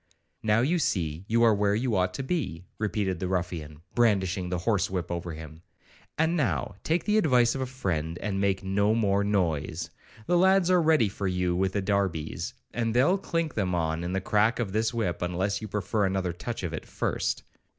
'Now you see you are where you ought to be,' repeated the ruffian, brandishing the horse whip over him, 'and now take the advice of a friend, and make no more noise. The lads are ready for you with the darbies, and they'll clink them on in the crack of this whip, unless you prefer another touch of it first.'